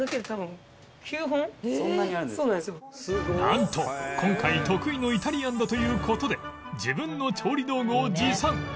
なんと今回得意のイタリアンだという事で自分の調理道具を持参